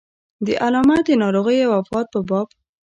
د علامه د ناروغۍ او وفات په باب.